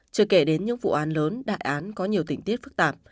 chưa kể đến những vụ án lớn đại án có nhiều tỉnh tiết phức tạp